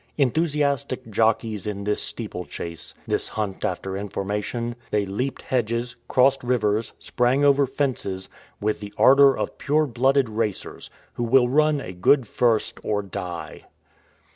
Enthusiastic jockeys in this steeplechase, this hunt after information, they leaped hedges, crossed rivers, sprang over fences, with the ardor of pure blooded racers, who will run "a good first" or die!